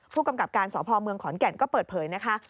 ผู้กำกับการสพเมืองขอนแก่นก็เปิดเผยนะคะ